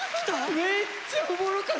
めっちゃおもろかった！